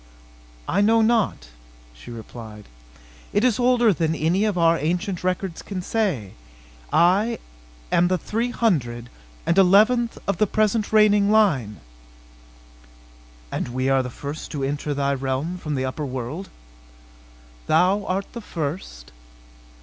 "I know not," she replied. "It is older than any of our ancient records can say. I am the three hundred and eleventh of the present reigning line." "And we are the first to enter thy realm from the upper world?" "Thou art the first."